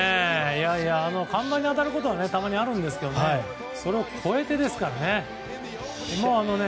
看板に当たることはたまにあるんですけどそれを越えてですからね。